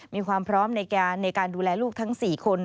มีความพร้อมในการดูแลลูกทั้ง๔คน